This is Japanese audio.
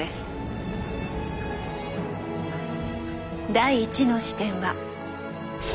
第１の視点は。